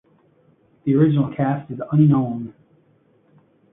The original cast is unknown.